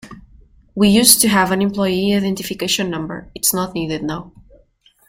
We used to have an employee identification number, it's not needed now.